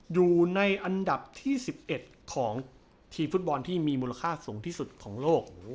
อยู่ในอันดับที่๑๑ของทีมฟุตบอลที่มีมูลค่าสูงที่สุดของโลก